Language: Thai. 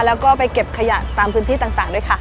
แล้วก็ไปเก็บขยะตามพื้นที่ต่างด้วยค่ะ